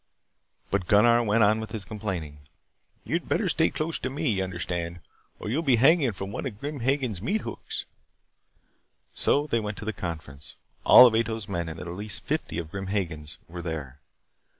But Gunnar went on with his complaining. "You had better stay close to me, you understand, or you will be hanging from one of Grim Hagen's meat hooks." So they went to the conference. All of Ato's men and at least fifty of Grim Hagen's were there.